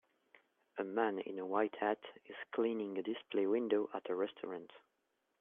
A man in a white hat is cleaning a display window at a restaurant